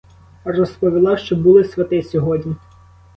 Розповіла, що були свати сьогодні.